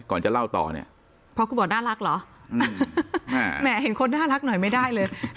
ก่อนจะเล่าต่อเนี่ยเพราะคุณบอกน่ารักเหรอแหมเห็นคนน่ารักหน่อยไม่ได้เลย